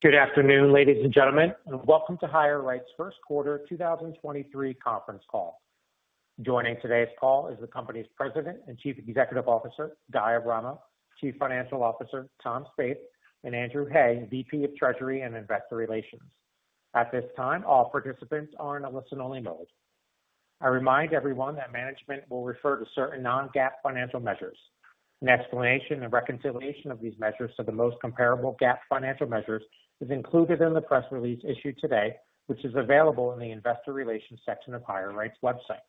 Good afternoon, ladies and gentlemen, and welcome to HireRight's first quarter 2023 conference call. Joining today's call is the company's President and Chief Executive Officer, Guy Abramo; Chief Financial Officer, Tom Spaeth; and Andrew Hay, VP of Treasury and Investor Relations. At this time, all participants are in a listen-only mode. I remind everyone that management will refer to certain non-GAAP financial measures. An explanation and reconciliation of these measures to the most comparable GAAP financial measures is included in the press release issued today, which is available in the investor relations section of HireRight's website.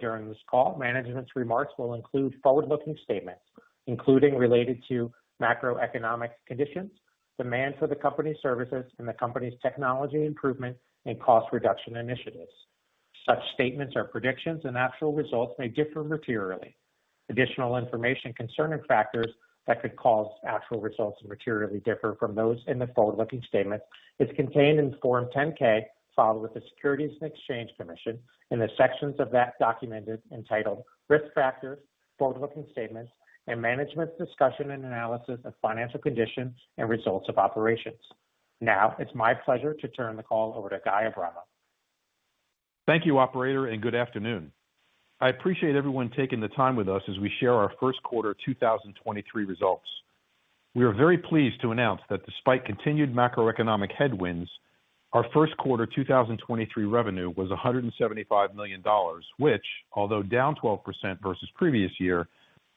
During this call, management's remarks will include forward-looking statements, including related to macroeconomic conditions, demand for the company's services, and the company's technology improvement and cost reduction initiatives. Such statements are predictions, and actual results may differ materially. Additional information concerning factors that could cause actual results to materially differ from those in the forward-looking statements is contained in Form 10-K filed with the Securities and Exchange Commission in the sections of that document entitled Risk Factors, Forward-Looking Statements, and Management's Discussion and Analysis of Financial Conditions and Results of Operations. Now, it's my pleasure to turn the call over to Guy Abramo. Thank you, operator. Good afternoon. I appreciate everyone taking the time with us as we share our first quarter 2023 results. We are very pleased to announce that despite continued macroeconomic headwinds, our first quarter 2023 revenue was $175 million, which although down 12% versus previous year,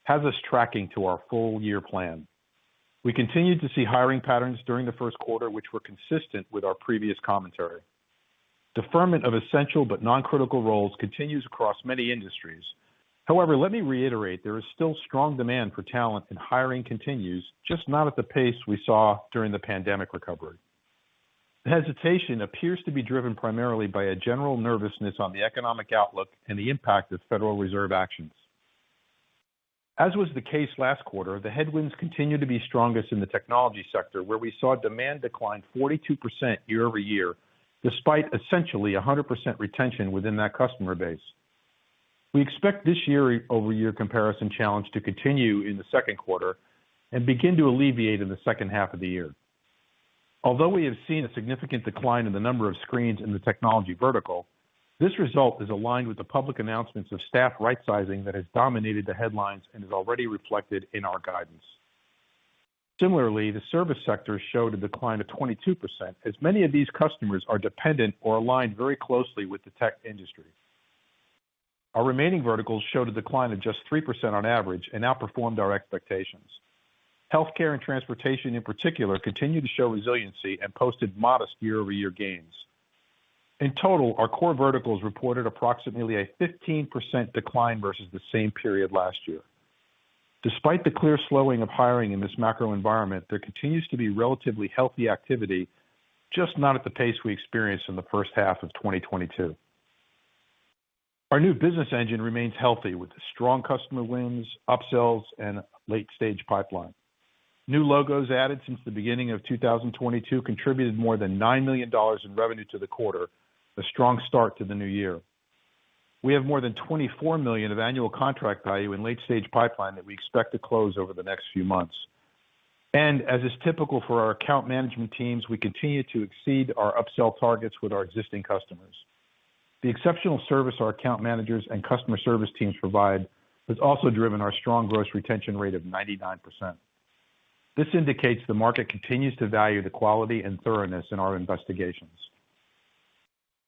has us tracking to our full year plan. We continued to see hiring patterns during the first quarter which were consistent with our previous commentary. Deferment of essential but non-critical roles continues across many industries. Let me reiterate, there is still strong demand for talent, and hiring continues, just not at the pace we saw during the pandemic recovery. Hesitation appears to be driven primarily by a general nervousness on the economic outlook and the impact of Federal Reserve actions. As was the case last quarter, the headwinds continue to be strongest in the technology sector, where we saw demand decline 42% year-over-year, despite essentially 100% retention within that customer base. We expect this year-over-year comparison challenge to continue in the second quarter and begin to alleviate in the second half of the year. We have seen a significant decline in the number of screens in the technology vertical, this result is aligned with the public announcements of staff rightsizing that has dominated the headlines and is already reflected in our guidance. The service sector showed a decline of 22%, as many of these customers are dependent or aligned very closely with the tech industry. Our remaining verticals showed a decline of just 3% on average and outperformed our expectations. Healthcare and transportation in particular continued to show resiliency and posted modest year-over-year gains. In total, our core verticals reported approximately a 15% decline versus the same period last year. Despite the clear slowing of hiring in this macro environment, there continues to be relatively healthy activity, just not at the pace we experienced in the first half of 2022. Our new business engine remains healthy with strong customer wins, upsells, and late-stage pipeline. New logos added since the beginning of 2022 contributed more than $9 million in revenue to the quarter, a strong start to the new year. We have more than $24 million of annual contract value in late-stage pipeline that we expect to close over the next few months. As is typical for our account management teams, we continue to exceed our upsell targets with our existing customers. The exceptional service our account managers and customer service teams provide has also driven our strong gross retention rate of 99%. This indicates the market continues to value the quality and thoroughness in our investigations.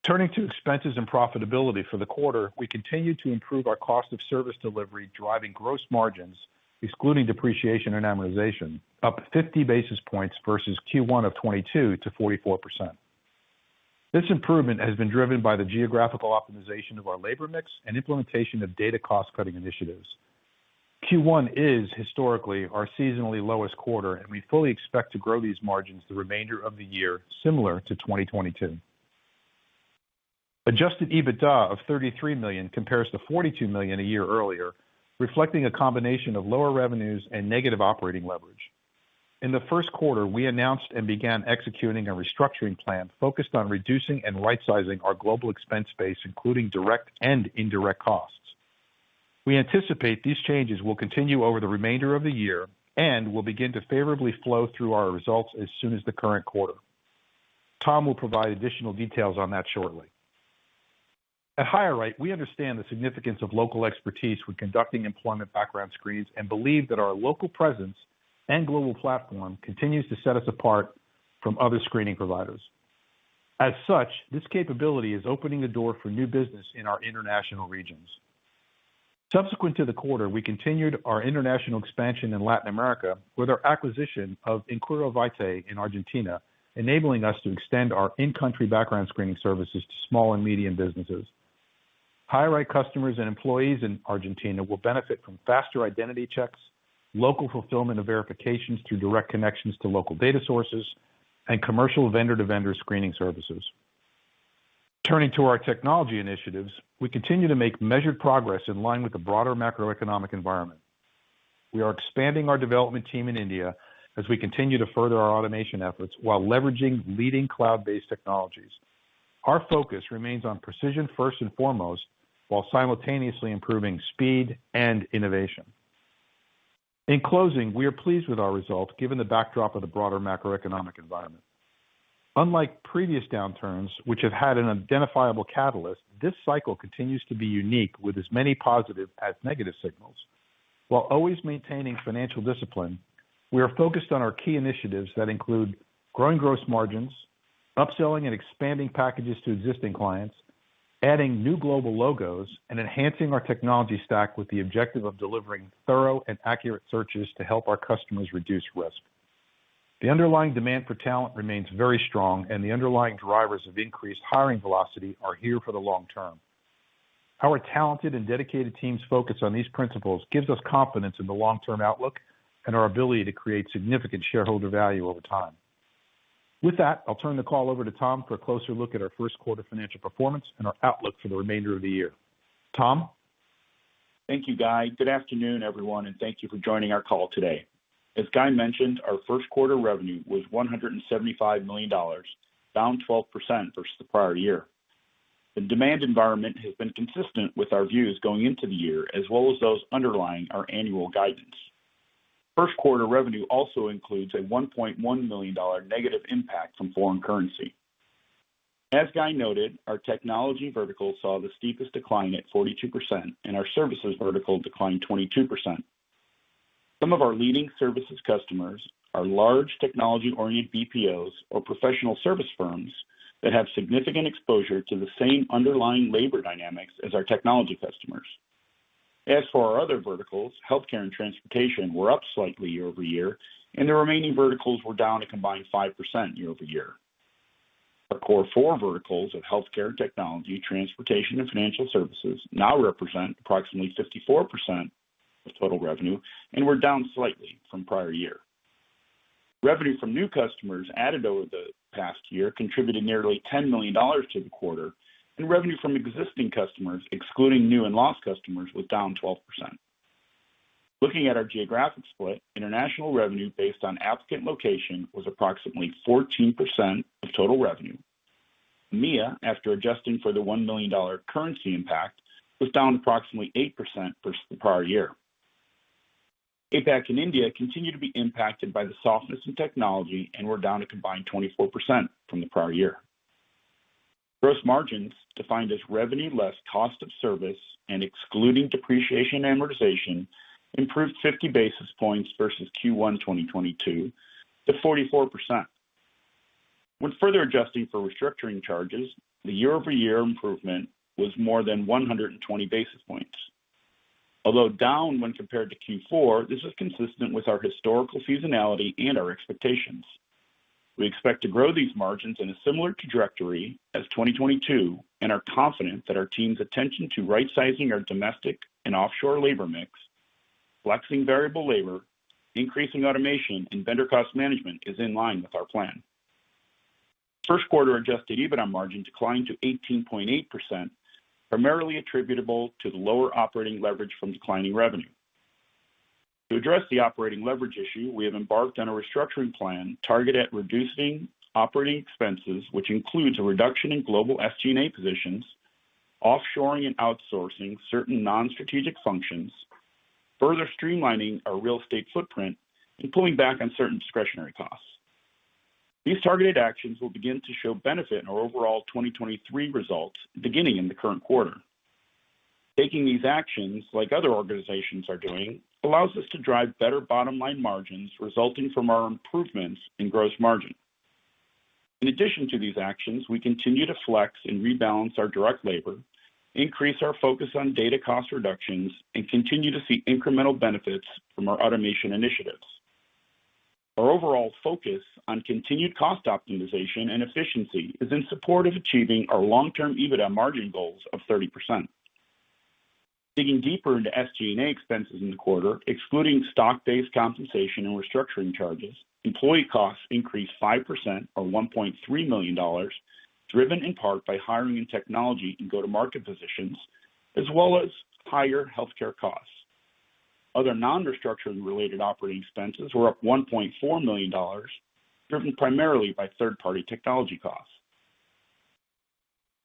Turning to expenses and profitability for the quarter, we continue to improve our cost of service delivery, driving gross margins, excluding depreciation and amortization, up 50 basis points versus Q1 of 2022 to 44%. This improvement has been driven by the geographical optimization of our labor mix and implementation of data cost-cutting initiatives. Q1 is historically our seasonally lowest quarter, and we fully expect to grow these margins the remainder of the year similar to 2022. Adjusted EBITDA of $33 million compares to $42 million a year earlier, reflecting a combination of lower revenues and negative operating leverage. In the first quarter, we announced and began executing a restructuring plan focused on reducing and rightsizing our global expense base, including direct and indirect costs. We anticipate these changes will continue over the remainder of the year and will begin to favorably flow through our results as soon as the current quarter. Tom will provide additional details on that shortly. At HireRight, we understand the significance of local expertise when conducting employment background screens and believe that our local presence and global platform continues to set us apart from other screening providers. As such, this capability is opening the door for new business in our international regions. Subsequent to the quarter, we continued our international expansion in Latin America with our acquisition of Inquiro Vitae in Argentina, enabling us to extend our in-country background screening services to small and medium businesses. HireRight customers and employees in Argentina will benefit from faster identity checks, local fulfillment of verifications through direct connections to local data sources, and commercial vendor-to-vendor screening services. Turning to our technology initiatives, we continue to make measured progress in line with the broader macroeconomic environment. We are expanding our development team in India as we continue to further our automation efforts while leveraging leading cloud-based technologies. Our focus remains on precision first and foremost, while simultaneously improving speed and innovation. In closing, we are pleased with our results given the backdrop of the broader macroeconomic environment. Unlike previous downturns, which have had an identifiable catalyst, this cycle continues to be unique with as many positive as negative signals. While always maintaining financial discipline, we are focused on our key initiatives that include growing gross margins, upselling and expanding packages to existing clients, adding new global logos, and enhancing our technology stack with the objective of delivering thorough and accurate searches to help our customers reduce risk. The underlying demand for talent remains very strong. The underlying drivers of increased hiring velocity are here for the long term. Our talented and dedicated teams focused on these principles gives us confidence in the long-term outlook and our ability to create significant shareholder value over time. With that, I'll turn the call over to Tom for a closer look at our first quarter financial performance and our outlook for the remainder of the year. Tom? Thank you, Guy. Good afternoon, everyone, and thank you for joining our call today. As Guy mentioned, our first quarter revenue was $175 million, down 12% versus the prior year. The demand environment has been consistent with our views going into the year as well as those underlying our annual guidance. First quarter revenue also includes a $1.1 million negative impact from foreign currency. As Guy noted, our technology vertical saw the steepest decline at 42%, and our services vertical declined 22%. Some of our leading services customers are large technology-oriented BPOs or professional service firms that have significant exposure to the same underlying labor dynamics as our technology customers. As for our other verticals, healthcare and transportation were up slightly year-over-year, and the remaining verticals were down a combined 5% year-over-year. Our core four verticals of healthcare, technology, transportation, and financial services now represent approximately 54% of total revenue and were down slightly from prior year. Revenue from new customers added over the past year contributed nearly $10 million to the quarter. Revenue from existing customers, excluding new and lost customers, was down 12%. Looking at our geographic split, international revenue based on applicant location was approximately 14% of total revenue. EMEA, after adjusting for the $1 million currency impact, was down approximately 8% versus the prior year. APAC and India continue to be impacted by the softness in technology and were down a combined 24% from the prior year. Gross margins defined as revenue less cost of service and excluding depreciation and amortization improved 50 basis points versus Q1 2022 to 44%. When further adjusting for restructuring charges, the year-over-year improvement was more than 120 basis points. Although down when compared to Q4, this is consistent with our historical seasonality and our expectations. We expect to grow these margins in a similar trajectory as 2022 and are confident that our team's attention to rightsizing our domestic and offshore labor mix, flexing variable labor, increasing automation, and vendor cost management is in line with our plan. First quarter adjusted EBITDA margin declined to 18.8%, primarily attributable to the lower operating leverage from declining revenue. To address the operating leverage issue, we have embarked on a restructuring plan targeted at reducing operating expenses, which includes a reduction in global SG&A positions, offshoring and outsourcing certain non-strategic functions, further streamlining our real estate footprint, and pulling back on certain discretionary costs. These targeted actions will begin to show benefit in our overall 2023 results beginning in the current quarter. Taking these actions, like other organizations are doing, allows us to drive better bottom-line margins resulting from our improvements in gross margin. In addition to these actions, we continue to flex and rebalance our direct labor, increase our focus on data cost reductions, and continue to see incremental benefits from our automation initiatives. Our overall focus on continued cost optimization and efficiency is in support of achieving our long-term EBITDA margin goals of 30%. Digging deeper into SG&A expenses in the quarter, excluding stock-based compensation and restructuring charges, employee costs increased 5% or $1.3 million, driven in part by hiring in technology and go-to-market positions, as well as higher healthcare costs. Other non-restructuring related operating expenses were up $1.4 million, driven primarily by third-party technology costs.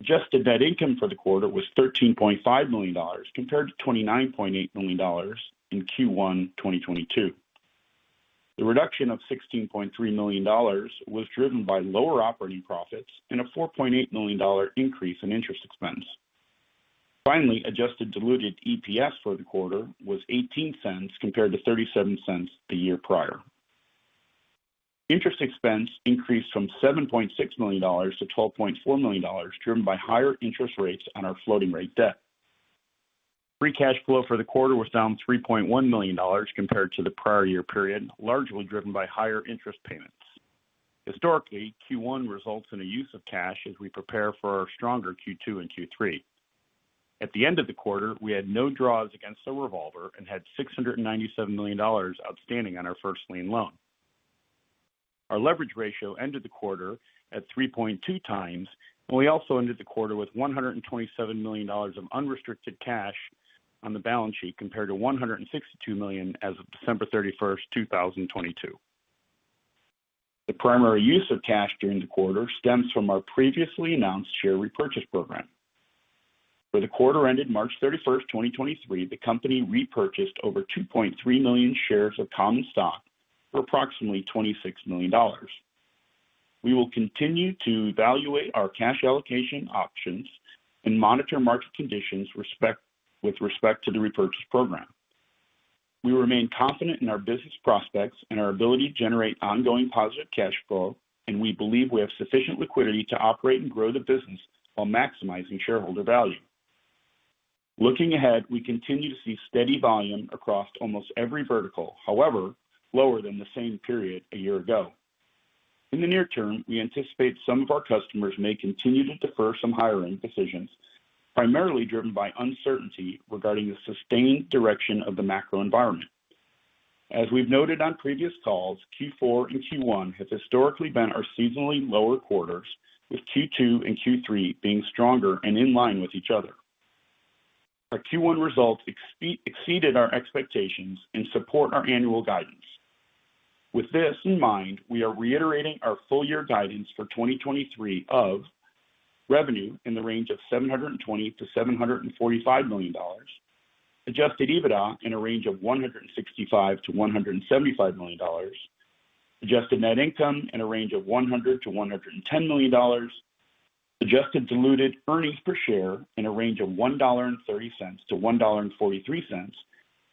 Adjusted net income for the quarter was $13.5 million compared to $29.8 million in Q1 2022. The reduction of $16.3 million was driven by lower operating profits and a $4.8 million increase in interest expense. Finally, adjusted diluted EPS for the quarter was $0.18 compared to $0.37 the year prior. Interest expense increased from $7.6 million to $12.4 million, driven by higher interest rates on our floating rate debt. Free cash flow for the quarter was down $3.1 million compared to the prior year period, largely driven by higher interest payments. Historically, Q1 results in a use of cash as we prepare for our stronger Q2 and Q3. At the end of the quarter, we had no draws against the revolver and had $697 million outstanding on our first lien loan. Our leverage ratio ended the quarter at 3.2x, we also ended the quarter with $127 million of unrestricted cash on the balance sheet compared to $162 million as of December 31st, 2022. The primary use of cash during the quarter stems from our previously announced share repurchase program. For the quarter ended March 31st, 2023, the company repurchased over 2.3 million shares of common stock for approximately $26 million. We will continue to evaluate our cash allocation options and monitor market conditions with respect to the repurchase program. We remain confident in our business prospects and our ability to generate ongoing positive cash flow. We believe we have sufficient liquidity to operate and grow the business while maximizing shareholder value. Looking ahead, we continue to see steady volume across almost every vertical, however, lower than the same period a year ago. In the near term, we anticipate some of our customers may continue to defer some hiring decisions, primarily driven by uncertainty regarding the sustained direction of the macro environment. As we've noted on previous calls, Q4 and Q1 have historically been our seasonally lower quarters, with Q2 and Q3 being stronger and in line with each other. Our Q1 results exceeded our expectations and support our annual guidance. With this in mind, we are reiterating our full-year guidance for 2023 of: revenue in the range of $720 million-$745 million, adjusted EBITDA in a range of $165 million-$175 million, adjusted net income in a range of $100 million-$110 million, adjusted diluted earnings per share in a range of $1.30-$1.43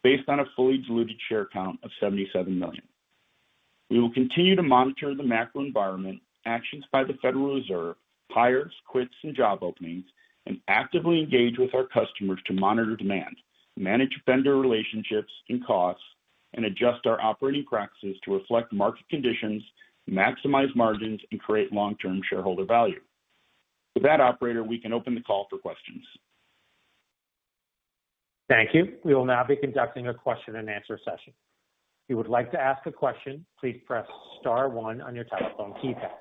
based on a fully diluted share count of 77 million. We will continue to monitor the macro environment, actions by the Federal Reserve, hires, quits, and job openings, and actively engage with our customers to monitor demand, manage vendor relationships and costs, and adjust our operating practices to reflect market conditions, maximize margins, and create long-term shareholder value. With that, operator, we can open the call for questions. Thank you. We will now be conducting a question-and-answer session. If you would like to ask a question, please press star one on your telephone keypad.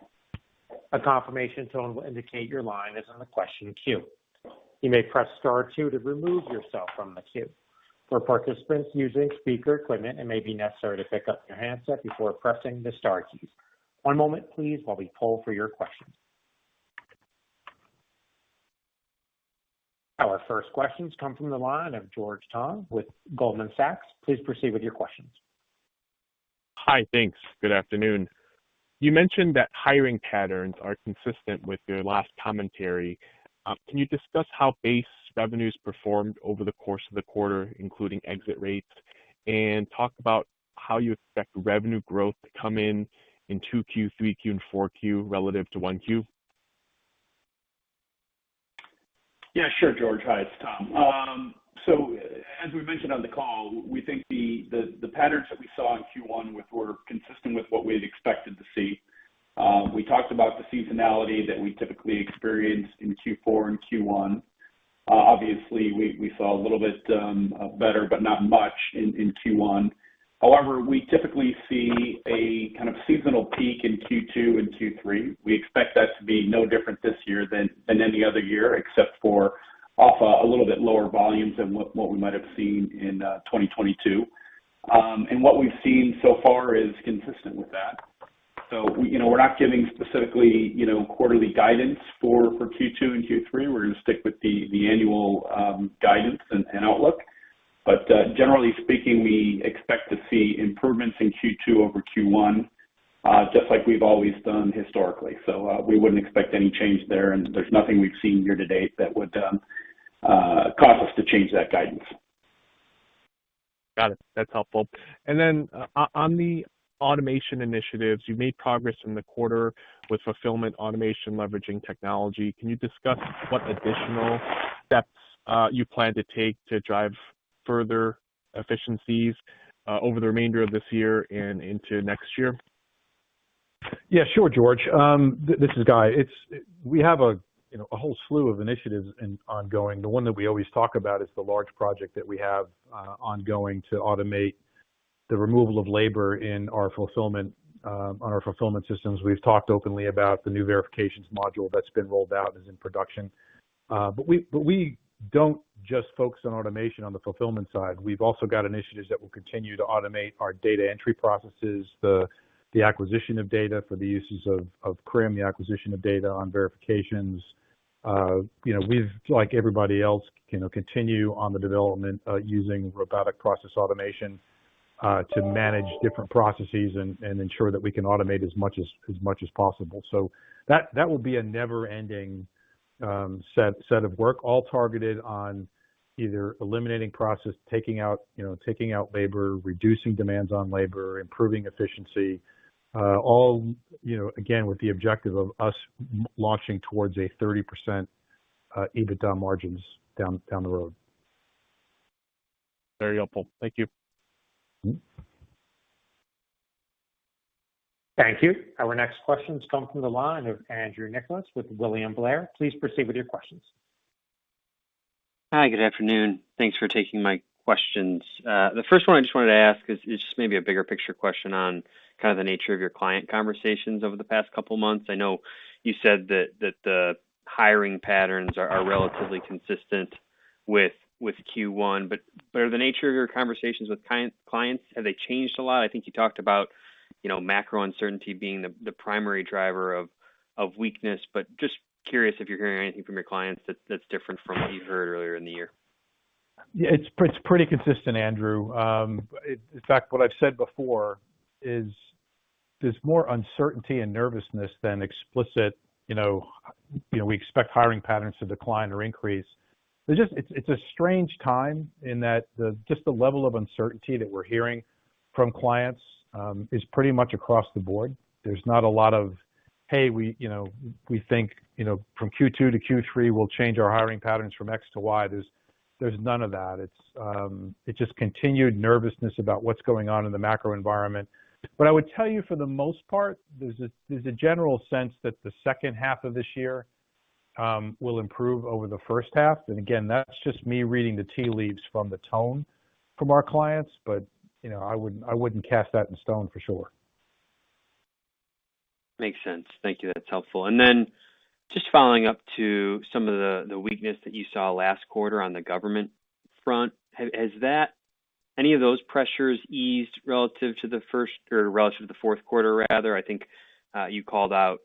A confirmation tone will indicate your line is in the question queue. You may press star two to remove yourself from the queue. For participants using speaker equipment, it may be necessary to pick up your handset before pressing the star keys. One moment please while we poll for your questions. Our first questions come from the line of George Tong with Goldman Sachs. Please proceed with your questions. Hi. Thanks. Good afternoon. You mentioned that hiring patterns are consistent with your last commentary. Can you discuss how base revenues performed over the course of the quarter, including exit rates, and talk about how you expect revenue growth to come in in 2Q, 3Q, and 4Q relative to 1Q? Yeah, sure, George. Hi, it's Tom. As we mentioned on the call, we think the patterns that we saw in Q1 with were consistent with what we had expected to see. We talked about the seasonality that we typically experience in Q4 and Q1. obviously we saw a little bit better, but not much in Q1. However, we typically see a kind of seasonal peak in Q2 and Q3. We expect that to be no different this year than any other year, except for off a little bit lower volumes than what we might have seen in 2022. What we've seen so far is consistent with that. you know, we're not giving specifically, you know, quarterly guidance for Q2 and Q3. We're gonna stick with the annual guidance and outlook. Generally speaking, we expect to see improvements in Q2 over Q1, just like we've always done historically. We wouldn't expect any change there, and there's nothing we've seen year to date that would cause us to change that guidance. Got it. That's helpful. On the automation initiatives, you made progress in the quarter with fulfillment automation leveraging technology. Can you discuss what additional steps you plan to take to drive further efficiencies over the remainder of this year and into next year? Sure, George. This is Guy. We have a, you know, a whole slew of initiatives ongoing. The one that we always talk about is the large project that we have ongoing to automate the removal of labor in our fulfillment on our fulfillment systems. We've talked openly about the new verifications module that's been rolled out, is in production. We don't just focus on automation on the fulfillment side. We've also got initiatives that will continue to automate our data entry processes, the acquisition of data for the uses of crim, the acquisition of data on verifications. You know, we've, like everybody else, you know, continue on the development using robotic process automation to manage different processes and ensure that we can automate as much as possible. That will be a never-ending set of work, all targeted on either eliminating process, taking out, you know, taking out labor, reducing demands on labor, improving efficiency. All, you know, again, with the objective of us launching towards a 30% EBITDA margins down the road. Very helpful. Thank you. Thank you. Our next question comes from the line of Andrew Nicholas with William Blair. Please proceed with your questions. Hi. Good afternoon. Thanks for taking my questions. The first one I just wanted to ask is just maybe a bigger picture question on kind of the nature of your client conversations over the past couple months. I know you said that the hiring patterns are relatively consistent with Q1. Are the nature of your conversations with clients, have they changed a lot? I think you talked about, you know, macro uncertainty being the primary driver of weakness, but just curious if you're hearing anything from your clients that's different from what you've heard earlier in the year? Yeah, it's pretty consistent, Andrew. In fact, what I've said before is there's more uncertainty and nervousness than explicit, you know, we expect hiring patterns to decline or increase. It's a strange time in that the level of uncertainty that we're hearing from clients is pretty much across the board. There's not a lot of, "Hey, we, you know, we think, you know, from Q2 to Q3, we'll change our hiring patterns from X to Y." There's none of that. It's just continued nervousness about what's going on in the macro environment. I would tell you for the most part, there's a general sense that the second half of this year will improve over the first half. Again, that's just me reading the tea leaves from the tone from our clients, you know, I wouldn't cast that in stone for sure. Makes sense. Thank you. That's helpful. Then just following up to some of the weakness that you saw last quarter on the government front. Has any of those pressures eased relative to the fourth quarter, rather? I think you called out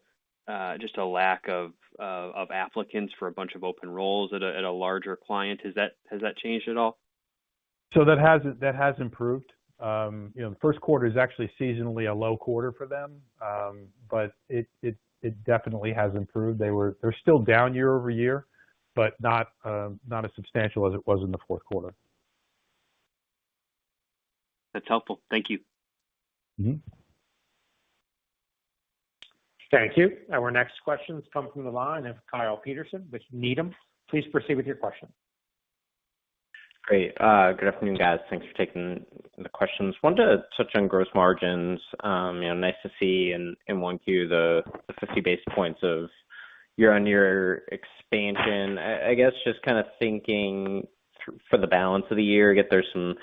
just a lack of applicants for a bunch of open roles at a larger client. Has that changed at all? That has, that has improved. You know, the first quarter is actually seasonally a low quarter for them. It, it definitely has improved. They're still down year-over-year, but not as substantial as it was in the fourth quarter. That's helpful. Thank you. Mm-hmm. Thank you. Our next question comes from the line of Kyle Peterson with Needham. Please proceed with your question. Great. Good afternoon, guys. Thanks for taking the questions. Wanted to touch on gross margins. You know, nice to see in 1Q the 50 basis points of year-on-year expansion. I guess just kind of thinking for the balance of the year, I get there's some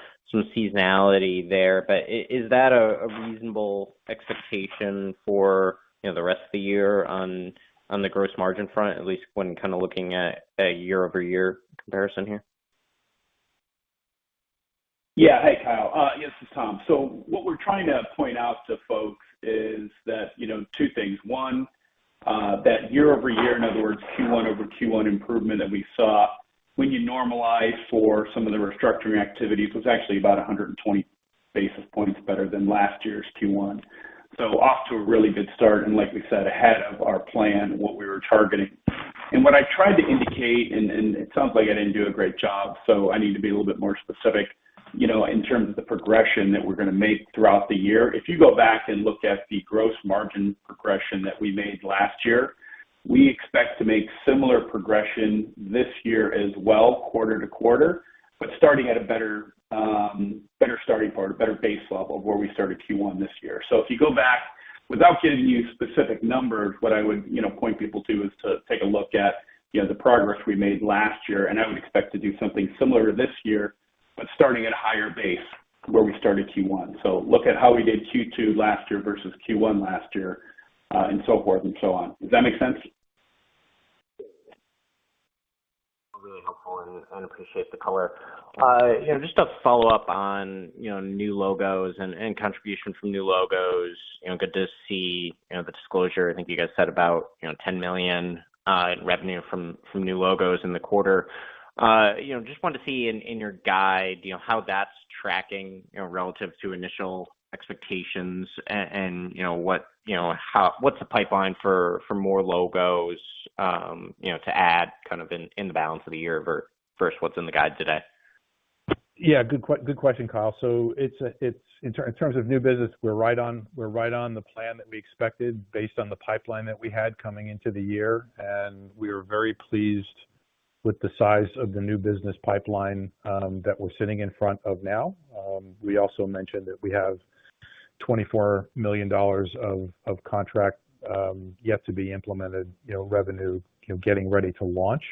seasonality there, but is that a reasonable expectation for, you know, the rest of the year on the gross margin front, at least when kind of looking at a year-over-year comparison here? Yeah. Hey, Kyle. Yes, it's Tom. What we're trying to point out to folks is that, you know, two things. One, that year-over-year, in other words, Q1 over Q1 improvement that we saw when you normalize for some of the restructuring activities, was actually about 120 basis points better than last year's Q1. Off to a really good start, and like we said, ahead of our plan, what we were targeting. What I tried to indicate, and it sounds like I didn't do a great job, so I need to be a little bit more specific, you know, in terms of the progression that we're gonna make throughout the year. You go back and look at the gross margin progression that we made last year, we expect to make similar progression this year as well, quarter to quarter, but starting at a better base level where we started Q1 this year. If you go back without giving you specific numbers, what I would, you know, point people to is to take a look at, you know, the progress we made last year. I would expect to do something similar this year, but starting at a higher base where we started Q1. Look at how we did Q2 last year versus Q1 last year, so forth and so on. Does that make sense? Really helpful. I appreciate the color. You know, just to follow up on, you know, new logos and contribution from new logos, you know, good to see, you know, the disclosure. I think you guys said about, you know, $10 million in revenue from new logos in the quarter. You know, just wanted to see in your guide, you know, how that's tracking, you know, relative to initial expectations and, you know, what's the pipeline for more logos, you know, to add kind of in the balance of the year versus what's in the guide today? Yeah, good question, Kyle. In terms of new business, we're right on the plan that we expected based on the pipeline that we had coming into the year, and we are very pleased with the size of the new business pipeline that we're sitting in front of now. We also mentioned that we have $24 million of contract yet to be implemented, you know, revenue, you know, getting ready to launch.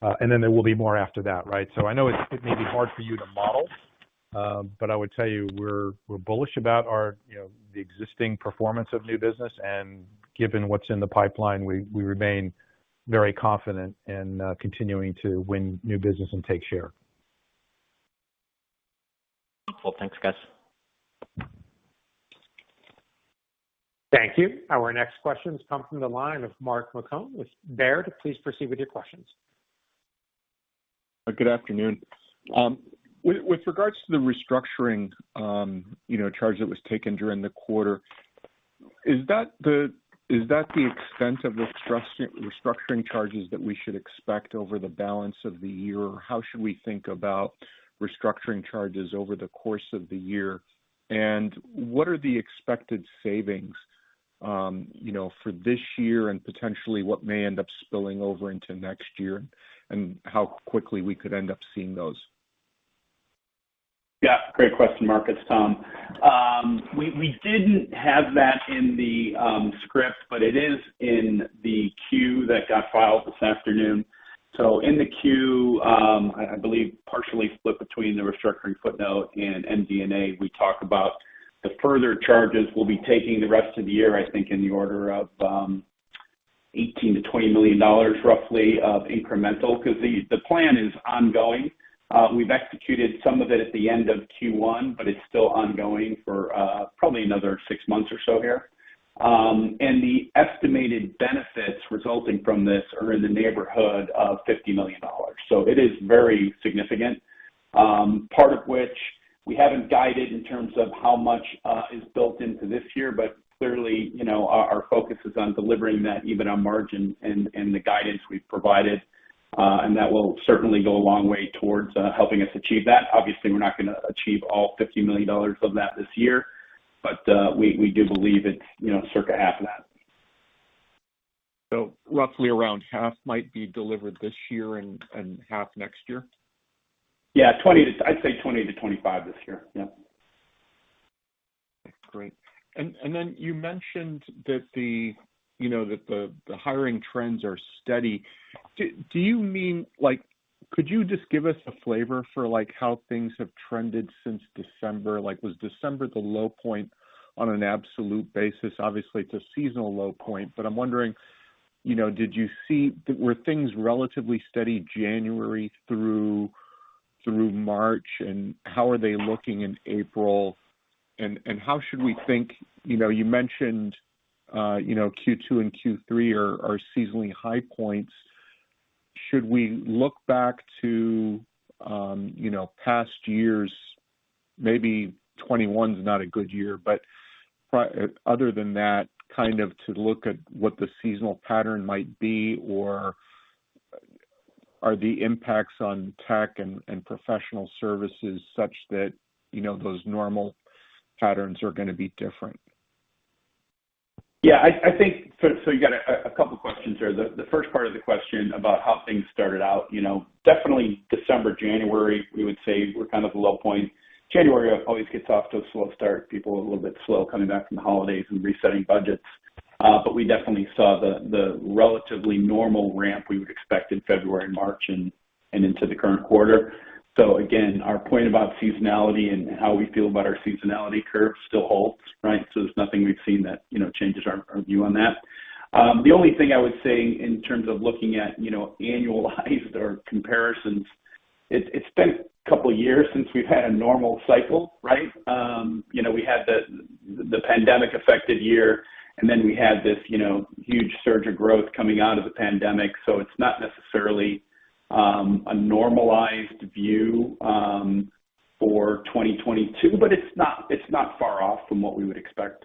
There will be more after that, right? I know it may be hard for you to model, but I would tell you, we're bullish about our, you know, the existing performance of new business, and given what's in the pipeline, we remain very confident in continuing to win new business and take share. Well, thanks, guys. Thank you. Our next question comes from the line of Mark Marcon with Baird. Please proceed with your questions. Good afternoon. With regards to the restructuring, you know, charge that was taken during the quarter, is that the extent of the restructuring charges that we should expect over the balance of the year? How should we think about restructuring charges over the course of the year? What are the expected savings, you know, for this year and potentially what may end up spilling over into next year, and how quickly we could end up seeing those? Yeah, great question, Mark. It's Tom. We didn't have that in the script, but it is in the Q that got filed this afternoon. In the Q, I believe partially split between the restructuring footnote and MD&A, we talk about the further charges we'll be taking the rest of the year, I think in the order of $18 million-$20 million roughly of incremental, because the plan is ongoing. We've executed some of it at the end of Q1, but it's still ongoing for probably another six months or so here. And the estimated benefits resulting from this are in the neighborhood of $50 million. It is very significant. Part of which we haven't guided in terms of how much is built into this year. Clearly, you know, our focus is on delivering that EBITDA margin and the guidance wwe've provided. That will certainly go a long way towards helping us achieve that. Obviously, we're not gonna achieve all $50 million of that this year, but we do believe it's, you know, circa half of that. Roughly around half might be delivered this year and half next year? Yeah, I'd say 20-25 this year. Yeah. Great. Then you mentioned that the, you know, that the hiring trends are steady. Do you mean like... Could you just give us a flavor for like how things have trended since December? Like was December the low point on an absolute basis? Obviously, it's a seasonal low point, but I'm wondering, you know, Were things relatively steady January through March, and how are they looking in April? How should we think... You know, you mentioned, you know, Q2 and Q3 are seasonally high points? Should we look back to, you know, past years, maybe 2021 is not a good year, but other than that, kind of to look at what the seasonal pattern might be, or are the impacts on tech and professional services such that, you know, those normal patterns are gonna be different? You got a couple questions there. The first part of the question about how things started out, you know, definitely December, January, we would say were kind of a low point. January always gets off to a slow start, people are a little bit slow coming back from the holidays and resetting budgets. We definitely saw the relatively normal ramp we would expect in February, March and into the current quarter. Again, our point about seasonality and how we feel about our seasonality curve still holds, right? There's nothing we've seen that, you know, changes our view on that. The only thing I would say in terms of looking at, you know, annualized or comparisons, it's been a couple of years since we've had a normal cycle, right? you know, we had the pandemic affected year. Then we had this, you know, huge surge of growth coming out of the pandemic. It's not necessarily, a normalized view, for 2022, but it's not, it's not far off from what we would expect.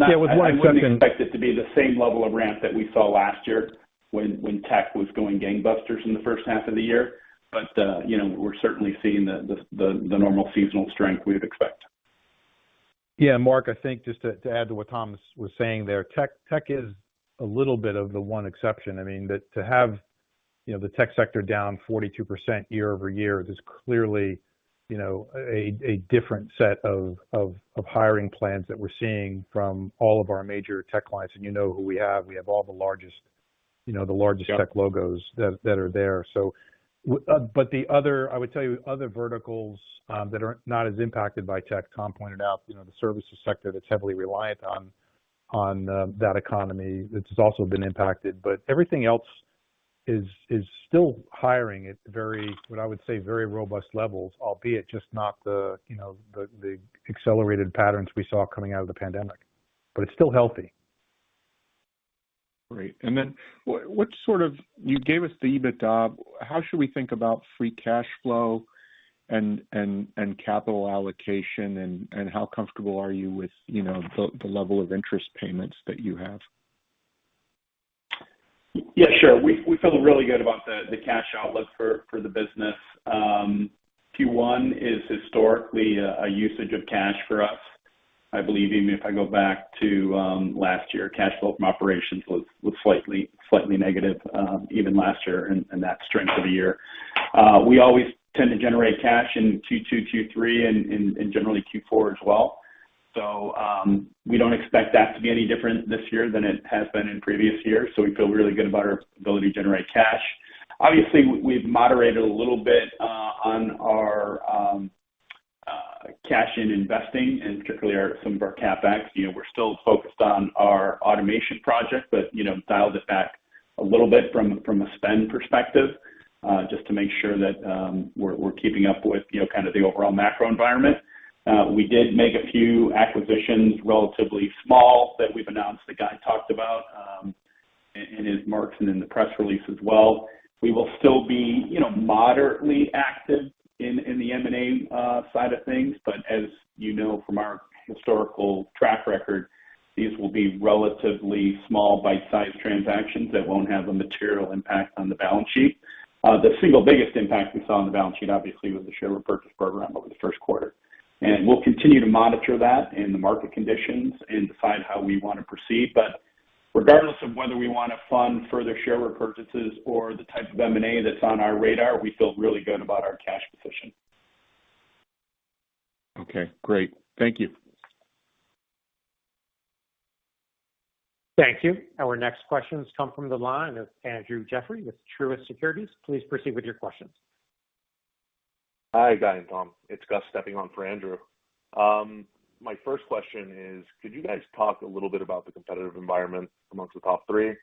Yeah. With one exception. I wouldn't expect it to be the same level of ramp that we saw last year when tech was going gangbusters in the first half of the year. You know, we're certainly seeing the normal seasonal strength we would expect. Yeah, Mark, I think just to add to what Tom was saying there, tech is a little bit of the one exception. I mean, to have, you know, the tech sector down 42% year-over-year is clearly, you know, a different set of hiring plans that we're seeing from all of our major tech clients. You know who we have. We have all the largest, you know. Yeah. tech logos that are there. I would tell you other verticals, that are not as impacted by tech, Tom pointed out, you know, the services sector that's heavily reliant on that economy, it's also been impacted. Everything else is still hiring at very, what I would say, very robust levels, albeit just not the, you know, the accelerated patterns we saw coming out of the pandemic, but it's still healthy. Great. You gave us the EBITDA. How should we think about free cash flow and capital allocation, and how comfortable are you with, you know, the level of interest payments that you have? Yeah, sure. We feel really good about the cash outlook for the business. Q1 is historically a usage of cash for us. I believe even if I go back to last year, cash flow from operations was slightly negative, even last year in that strength of a year. We always tend to generate cash in Q2, Q3 and generally Q4 as well. We don't expect that to be any different this year than it has been in previous years, so we feel really good about our ability to generate cash. Obviously, we've moderated a little bit on our cash-in investing and particularly some of our CapEx. You know, we're still focused on our automation project, but, you know, dialed it back a little bit from a spend perspective, just to make sure that we're keeping up with, you know, kind of the overall macro environment. We did make a few acquisitions, relatively small, that we've announced, that Guy talked about, in his remarks and in the press release as well. We will still be, you know, moderately active in the M&A side of things. As you know from our historical track record, these will be relatively small, bite-sized transactions that won't have a material impact on the balance sheet. The single biggest impact we saw on the balance sheet obviously was the share repurchase program over the first quarter. We'll continue to monitor that and the market conditions and decide how we wanna proceed. Regardless of whether we wanna fund further share repurchases or the type of M&A that's on our radar, we feel really good about our cash position. Okay, great. Thank you. Thank you. Our next questions come from the line of Andrew Jeffrey with Truist Securities. Please proceed with your questions. Hi, Guy and Tom. It's Gus stepping on for Andrew. My first question is, could you guys talk a little bit about the competitive environment amongst the top three?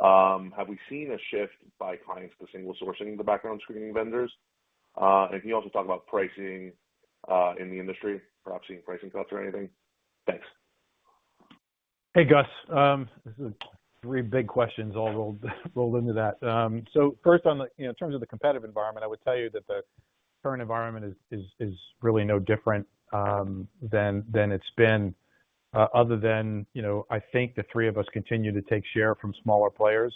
Have we seen a shift by clients to single sourcing the background screening vendors? Can you also talk about pricing in the industry, perhaps even pricing cuts or anything? Thanks. Hey, Gus. This is three big questions all rolled into that. First you know, in terms of the competitive environment, I would tell you that the current environment is really no different than it's been, other than, you know, I think the three of us continue to take share from smaller players.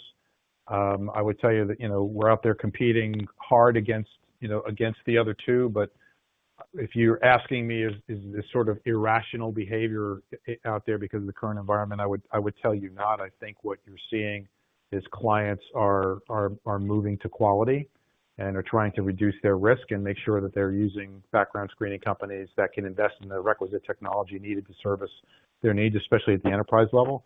I would tell you that, you know, we're out there competing hard against, you know, against the other two. If you're asking me is this sort of irrational behavior out there because of the current environment, I would tell you not. I think what you're seeing is clients are moving to quality and are trying to reduce their risk and make sure that they're using background screening companies that can invest in the requisite technology needed to service their needs, especially at the enterprise level.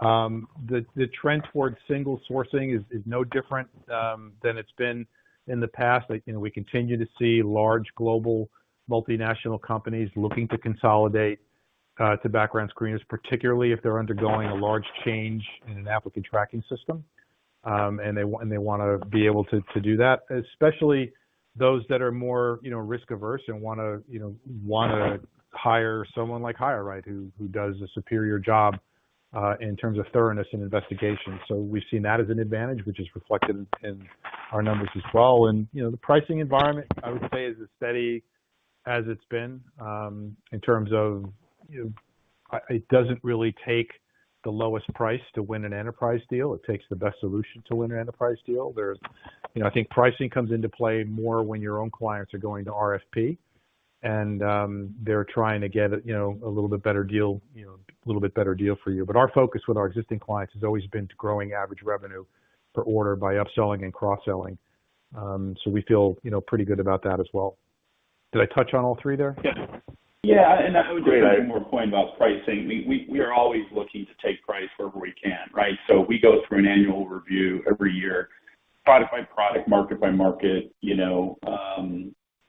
The trend towards single sourcing is no different than it's been in the past. Like, you know, we continue to see large global multinational companies looking to consolidate to background screeners, particularly if they're undergoing a large change in an applicant tracking system, and they wanna be able to do that, especially those that are more, you know, risk averse and wanna, you know, wanna hire someone like HireRight who does a superior job in terms of thoroughness and investigation. We've seen that as an advantage which is reflected in our numbers as well. You know, the pricing environment I would say is as steady as it's been, in terms of. It doesn't really take the lowest price to win an enterprise deal. It takes the best solution to win an enterprise deal. You know, I think pricing comes into play more when your own clients are going to RFP and, they're trying to get a, you know, a little bit better deal for you. Our focus with our existing clients has always been to growing average revenue per order by upselling and cross-selling. We feel, you know, pretty good about that as well. Did I touch on all three there? Yes. Yeah. I would just add one more point about pricing. We are always looking to take price wherever we can, right? So we go through an annual review every year, product by product, market by market, you know,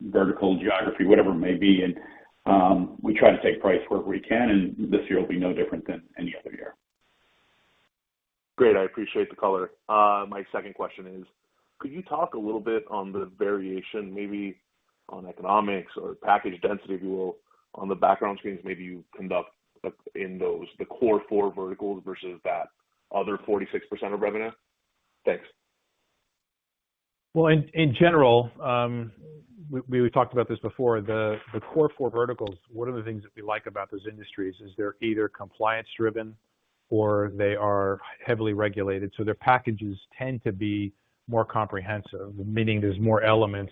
vertical geography, whatever it may be, and we try to take price wherever we can. This year will be no different than any other year. Great. I appreciate the color. My second question is, could you talk a little bit on the variation, maybe on economics or package density, if you will, on the background screens maybe you conduct up in those, the core four verticals versus that other 46% of revenue? Thanks. In general, we talked about this before. The core four verticals, one of the things that we like about those industries is they're either compliance-driven or they are heavily regulated, so their packages tend to be more comprehensive, meaning there's more elements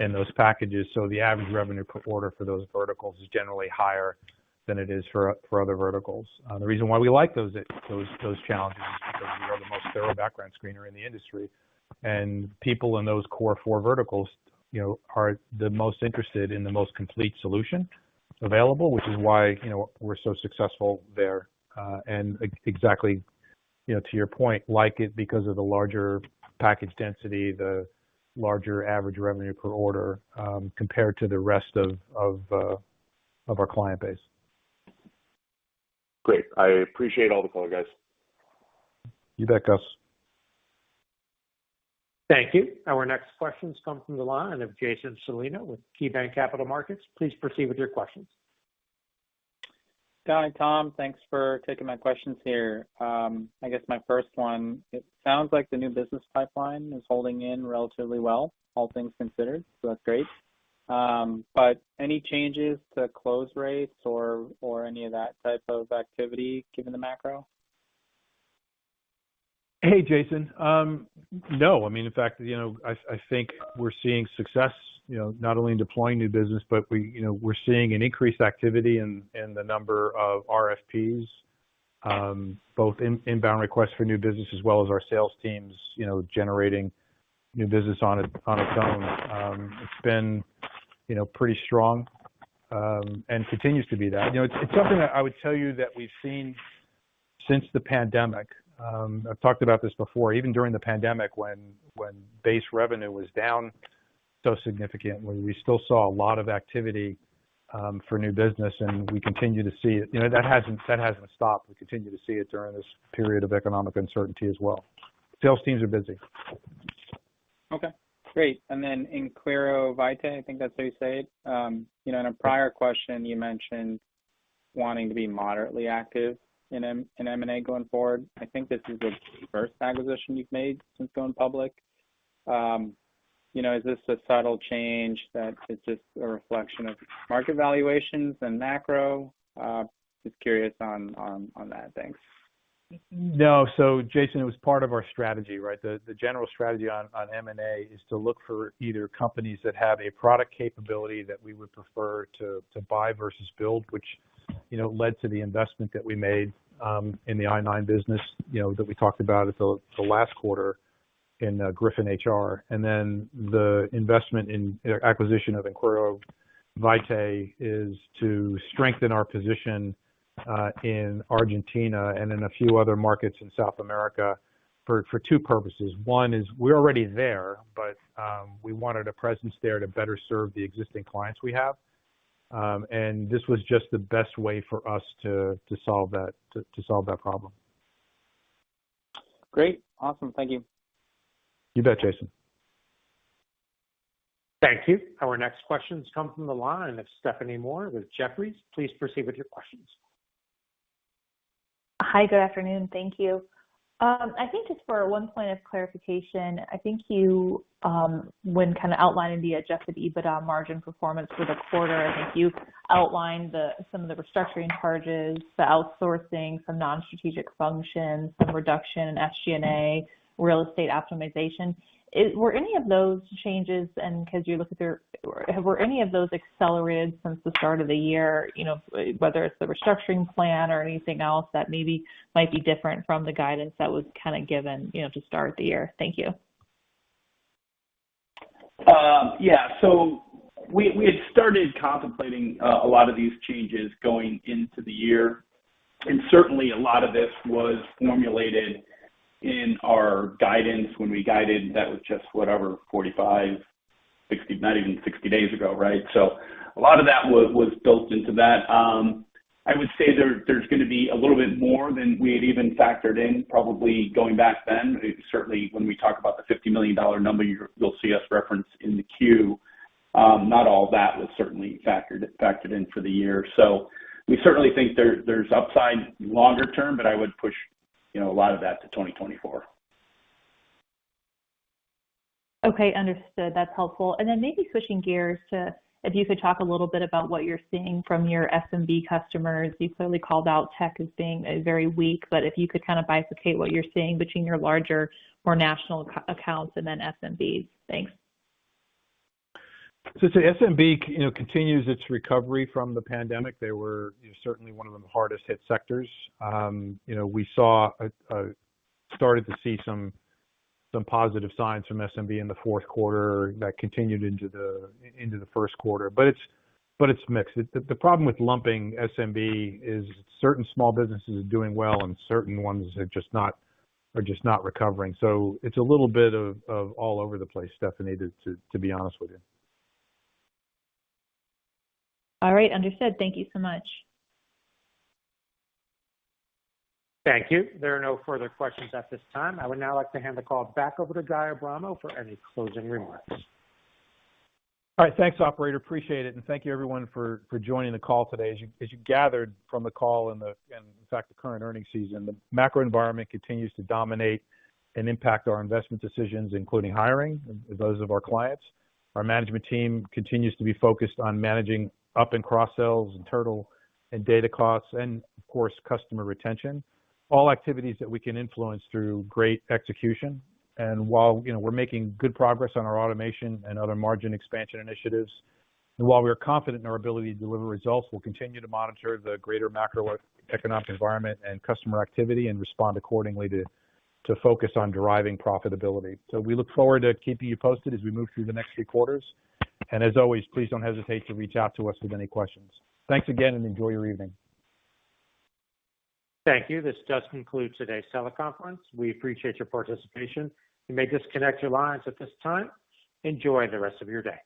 in those packages. The average revenue per order for those verticals is generally higher than it is for other verticals. The reason why we like those challenges is because we are the most thorough background screener in the industry, and people in those core four verticals, you know, are the most interested in the most complete solution available, which is why, you know, we're so successful there. Exactly, you know, to your point, like it because of the larger package density, the larger average revenue per order, compared to the rest of our client base. Great. I appreciate all the color, guys. You bet, Gus. Thank you. Our next question comes from the line of Jason Celino with KeyBanc Capital Markets. Please proceed with your questions. Guy and Tom, thanks for taking my questions here. I guess my first one, it sounds like the new business pipeline is holding in relatively well, all things considered, so that's great. Any changes to close rates or any of that type of activity given the macro? Hey, Jason. No. I mean, in fact, you know, I think we're seeing success, you know, not only in deploying new business, but we, you know, we're seeing an increased activity in the number of RFPs, both inbound requests for new business as well as our sales teams, you know, generating new business on its own. It's been, you know, pretty strong and continues to be that. You know, it's something that I would tell you that we've seen since the pandemic. I've talked about this before. Even during the pandemic when base revenue was down so significantly, we still saw a lot of activity for new business, and we continue to see it. You know, that hasn't stopped. We continue to see it during this period of economic uncertainty as well. Sales teams are busy. Okay, great. In Inquiro Vitae, I think that's how you say it. You know, in a prior question you mentioned wanting to be moderately active in M&A going forward. I think this is the first acquisition you've made since going public. You know, is this a subtle change that it's just a reflection of market valuations and macro? Just curious on that. Thanks. Jason, it was part of our strategy, right? The general strategy on M&A is to look for either companies that have a product capability that we would prefer to buy versus build, which, you know, led to the investment that we made in the I-9 business, you know, that we talked about at the last quarter in GryphonHR. Then the acquisition of Inquiro Vitae is to strengthen our position in Argentina and in a few other markets in South America for two purposes. One is we're already there, but we wanted a presence there to better serve the existing clients we have. This was just the best way for us to solve that, to solve that problem. Great. Awesome. Thank you. You bet, Jason. Thank you. Our next question comes from the line of Stephanie Moore with Jefferies. Please proceed with your questions. Hi, good afternoon. Thank you. I think it's for one point of clarification. I think you, when kind of outlining the adjusted EBITDA margin performance for the quarter, I think you outlined the, some of the restructuring charges, the outsourcing some non-strategic functions, some reduction in SG&A, real estate optimization. Were any of those changes and were any of those accelerated since the start of the year, you know, whether it's the restructuring plan or anything else that maybe might be different from the guidance that was kind of given, you know, to start the year? Thank you. Yeah. We had started contemplating a lot of these changes going into the year. Certainly a lot of this was formulated in our guidance when we guided. That was just whatever, 45, 60, not even 60 days ago, right? A lot of that was built into that. I would say there's gonna be a little bit more than we had even factored in probably going back then. When we talk about the $50 million number you'll see us reference in the Q, not all that was certainly factored in for the year. We certainly think there's upside longer term, but I would push, you know, a lot of that to 2024. Okay. Understood. That's helpful. Maybe switching gears to if you could talk a little bit about what you're seeing from your SMB customers. You've certainly called out tech as being very weak, if you could kind of bisect what you're seeing between your larger more national accounts and then SMB? Thanks. SMB, you know, continues its recovery from the pandemic. They were certainly one of the hardest hit sectors. You know, we started to see some positive signs from SMB in the fourth quarter that continued into the first quarter. It's mixed. The problem with lumping SMB is certain small businesses are doing well and certain ones are just not recovering. It's a little bit of all over the place, Stephanie, to be honest with you. All right. Understood. Thank you so much. Thank you. There are no further questions at this time. I would now like to hand the call back over to Guy Abramo for any closing remarks. All right. Thanks, operator. Appreciate it. Thank you everyone for joining the call today. As you gathered from the call and in fact, the current earnings season, the macro environment continues to dominate and impact our investment decisions, including hiring those of our clients. Our management team continues to be focused on managing up and cross sells and TAT and data costs and of course, customer retention, all activities that we can influence through great execution. While, you know, we're making good progress on our automation and other margin expansion initiatives, and while we are confident in our ability to deliver results, we'll continue to monitor the greater macroeconomic environment and customer activity and respond accordingly to focus on driving profitability. We look forward to keeping you posted as we move through the next few quarters. As always, please don't hesitate to reach out to us with any questions. Thanks again, and enjoy your evening. Thank you. This does conclude today's teleconference. We appreciate your participation. You may disconnect your lines at this time. Enjoy the rest of your day.